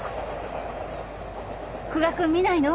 久我君見ないの？